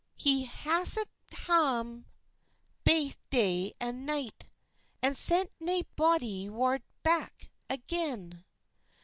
He hastit hame baith day and nicht, And sent nae bodward back again.